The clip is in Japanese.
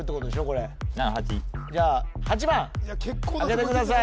これ７８じゃ８番開けてください